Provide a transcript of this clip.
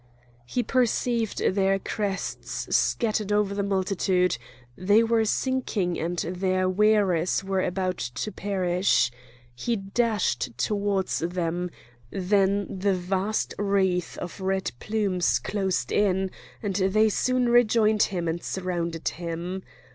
He perceived their crests scattered over the multitude; they were sinking and their wearers were about to perish; he dashed towards them; then the vast wreath of red plumes closed in, and they soon rejoined him and surrounded him.